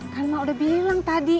kan mak udah bilang tadi